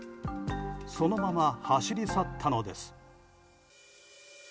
そのまま走り去ったのです。